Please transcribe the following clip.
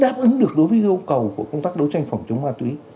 đáp ứng được đối với yêu cầu của công tác đấu tranh phòng chống ma túy